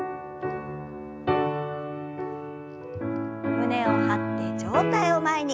胸を張って上体を前に。